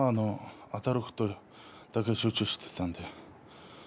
あたることだけに集中していました。